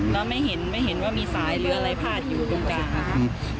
แล้วไม่เห็นว่ามีสายเรือไล่พาดอยู่ตรงกลาง